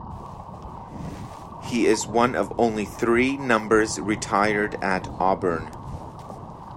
His is one of only three numbers retired at Auburn.